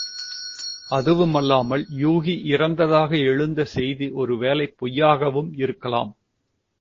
அதுவும் அல்லாமல், யூகி இறந்ததாக எழுந்த செய்தி ஒருவேளை பொய்யாகவும் இருக்கலாம்.